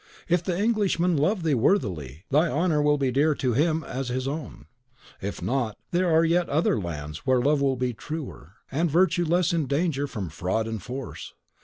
If the Englishman love thee worthily, thy honour will be dear to him as his own; if not, there are yet other lands where love will be truer, and virtue less in danger from fraud and force.